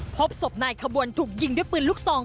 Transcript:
พบศพนายขบวนถูกยิงด้วยปืนลูกซอง